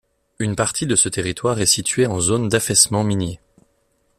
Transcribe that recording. Une partie de ce territoire est situé en zone d'affaissement minier.